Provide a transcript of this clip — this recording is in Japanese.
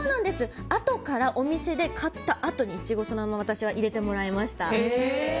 あとからお店で買ったあとにイチゴを私はそのまま入れてもらいました。